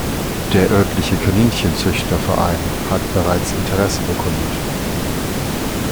Der örtliche Kaninchenzüchterverein hat bereits Interesse bekundet.